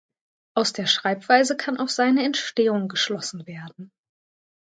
Aus der Schreibweise kann auf seine Entstehung geschlossen werden.